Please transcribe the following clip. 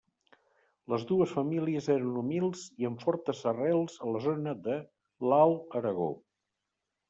Les dues famílies eren humils i amb fortes arrels a la zona de l'Alt Aragó.